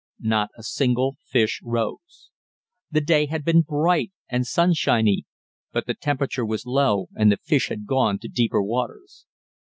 Not a single fish rose. The day had been bright and sunshiny, but the temperature was low and the fish had gone to deeper waters.